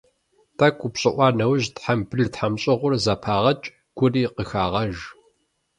ТӀэкӀу упщӀыӀуа нэужь тхьэмбыл-тхьэмщӀыгъур зэпагъэкӀ, гури къыхагъэж.